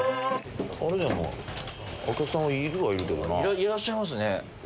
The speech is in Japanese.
いらっしゃいますね。